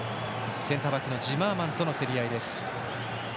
センターバックのジマーマンとの競り合いでした。